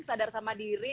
sadar sama diri